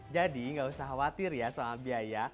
jadi gak usah khawatir ya soal biaya